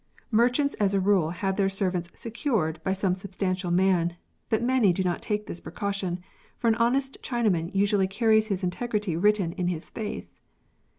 Merchants as a rule have their servants secured by some substantial man, but many do not take this precaution, for an honest Chinaman usually carries his integrity written in his face.